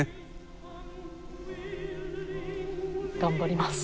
頑張ります。